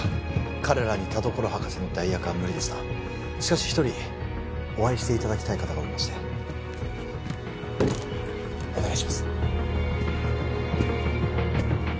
彼らに田所博士の代役は無理でしたしかし一人お会いしていただきたい方がおりましてお願いします